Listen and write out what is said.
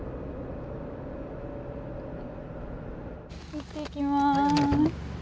行ってきます。